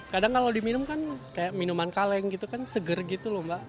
kadang kalau diminum kan kayak minuman kaleng gitu kan seger gitu loh mbak